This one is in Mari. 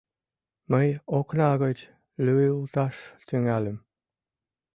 Мый окна гыч лӱйылташ тӱҥальым.